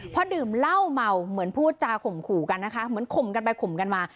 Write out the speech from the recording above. พอดื่มเหล้าเมาเหมือนพูดจาข่มขู่กันนะคะเหมือนข่มกันไปข่มกันมา